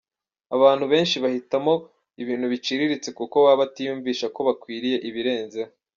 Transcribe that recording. Abantu benshi bahitamo ibintu biciriritse kuko baba batiyumvisha ko bakwiriye ibirenzeho.